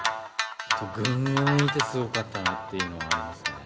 群を抜いてすごかったなというのはありますね。